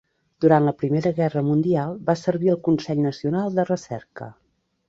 Durant la Primera Guerra Mundial, va servir al Consell Nacional de Recerca.